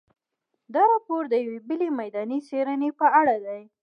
دا راپور د یوې بلې میداني څېړنې په اړه دی.